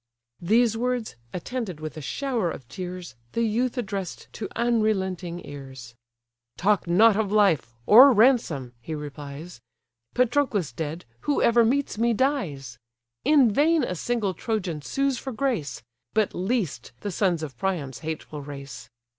These words, attended with a shower of tears, The youth address'd to unrelenting ears: "Talk not of life, or ransom (he replies): Patroclus dead, whoever meets me, dies: In vain a single Trojan sues for grace; But least, the sons of Priam's hateful race.